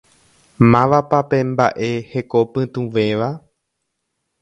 Mávapa pe mbaʼe hekopytũvéva?